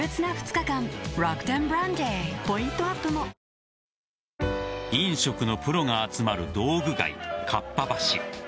帰れば「金麦」飲食のプロが集まる道具街かっぱ橋。